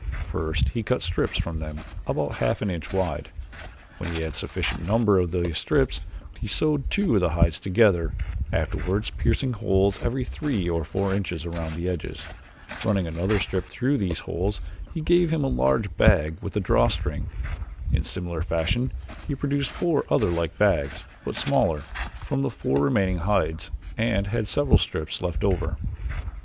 First he cut strips from them about half an inch wide. When he had sufficient number of these strips he sewed two of the hides together, afterwards piercing holes every three or four inches around the edges. Running another strip through these holes gave him a large bag with a drawstring. In similar fashion he produced four other like bags, but smaller, from the four remaining hides and had several strips left over.